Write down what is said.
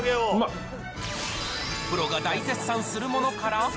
プロが大絶賛するものから。